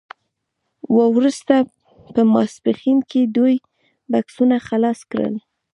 وروسته په ماسپښین کې دوی بکسونه خلاص کړل